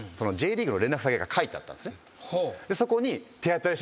そこに。